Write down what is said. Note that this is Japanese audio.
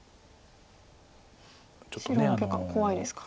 白も結果怖いですか。